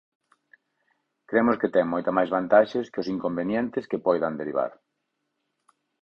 Cremos que ten moitas máis vantaxes que os inconvenientes que poidan derivar.